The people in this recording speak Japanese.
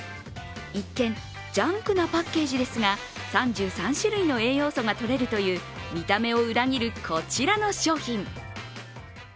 一見、ジャンクなパッケージですが３３種類の栄養素がとれるという見た目を裏切るこちらの商品。